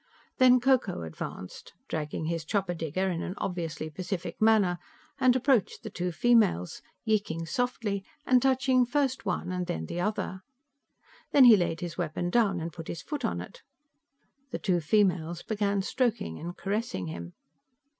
Then Ko Ko advanced, dragging his chopper digger in an obviously pacific manner, and approached the two females, yeeking softly and touching first one and then the other. Then he laid his weapon down and put his foot on it. The two females began stroking and caressing him.